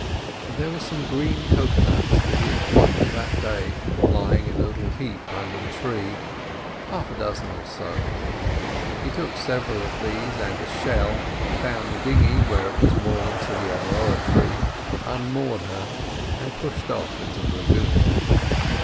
There were some green cocoa nuts that he had plucked that day lying in a little heap under a tree—half a dozen or so. He took several of these and a shell, found the dinghy where it was moored to the aoa tree, unmoored her, and pushed off into the lagoon.